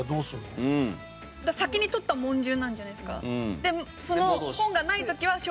先に取った者順なんじゃないですか？